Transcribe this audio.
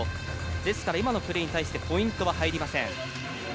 ですから今のプレーに対してポイントは入りません。